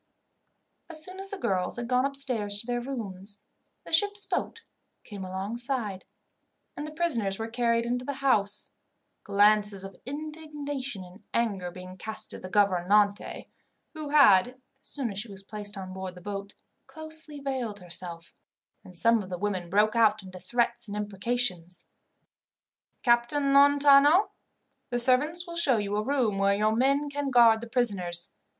As soon as the girls had gone upstairs to their rooms, the ship's boat came alongside, and the prisoners were carried into the house, glances of indignation and anger being cast at the gouvernante, who had, as soon as she was placed on board the boat, closely veiled herself; and some of the women broke out into threats and imprecations. "Captain Lontano, the servants will show you a room where your men can guard the prisoners.